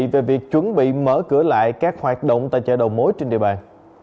về việc chuẩn bị mở cửa lại các hoạt động tại chợ đầu mối trên địa bàn